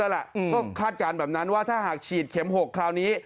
ท่านคาดการณ์แบบนั้นว่าถ้าฉีดเข็ม๖คราวนี้